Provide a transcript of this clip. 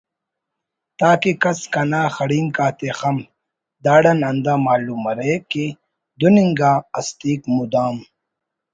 تاکہ کس کنا خڑینک آتے خنپ داڑان ہندا معلوم مریک کہ دن انگا ہستیک مدام